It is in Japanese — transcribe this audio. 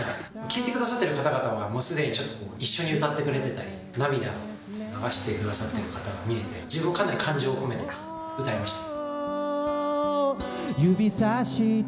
聴いてくださってる方々なら、すでにちょっと一緒に歌ってくれてたり、涙を流してくださっている方が見えて、自分もかなり感情を込めて歌いました。